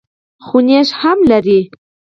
خو نېشه هم لري.